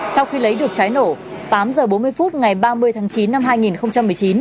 sau khi lấy được trái nổ tám h bốn mươi phút ngày ba mươi tháng chín năm hai nghìn một mươi chín